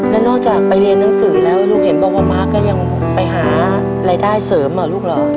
แล้วนอกจากไปเรียนหนังสือแล้วลูกเห็นบอกว่ามาร์คก็ยังไปหารายได้เสริมเหรอลูกเหรอ